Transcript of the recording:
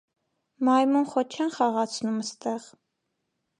մայմուն խո չե՞ն խաղացնում ըստեղ: